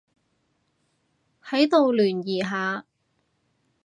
喺度聯誼下